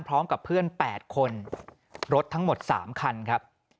พร้อมกับเพื่อน๘คนรถทั้งหมด๓คันครับ